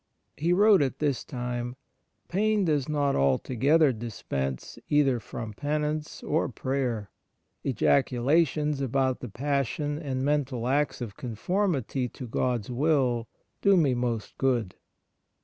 He wrote at this time :' Pain does not altogether dispense either from penance or prayer. ... Ejaculations about the Memoir of Father Faber 15 Passion and mental acts of conformity to God's will do me most good.'